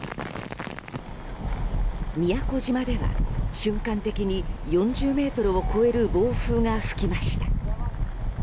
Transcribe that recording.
宮古島では瞬間的に４０メートルを超える暴風が吹きました。